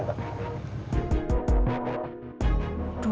jangan menjenguk mbak andin